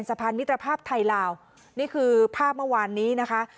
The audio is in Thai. สะพานมิตรภาพไทยลาวนี่คือภาพเมื่อวานนี้นะคะ